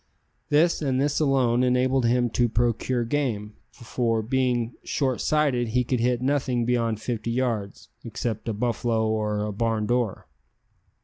This, and this alone, enabled him to procure game, for, being short sighted, he could hit nothing beyond fifty yards, except a buffalo or a barn door.